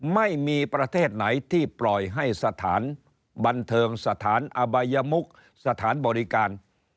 ไม่มีประเทศไหนที่ปล่อยให้สถานบันเทิงสถานอบายมุกสถานบริการ